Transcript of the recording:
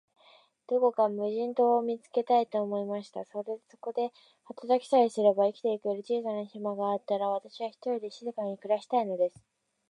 どこか無人島を見つけたい、と思いました。そこで働きさえすれば、生きてゆける小さな島があったら、私は、ひとりで静かに暮したいのです。